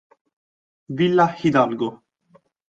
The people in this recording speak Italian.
Villa Hidalgo